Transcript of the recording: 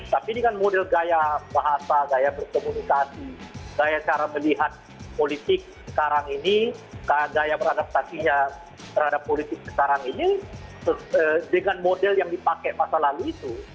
tapi dengan model gaya bahasa gaya berkomunikasi gaya cara melihat politik sekarang ini gaya beradaptasinya terhadap politik sekarang ini dengan model yang dipakai masa lalu itu